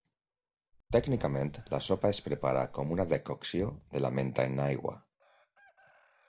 Tècnicament la sopa es prepara com una decocció de la menta en aigua.